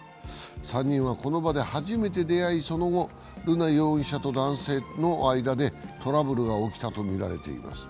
３人は、この場で初めて出会い、その後、瑠奈容疑者と男性の間でトラブルが起きたとみられています。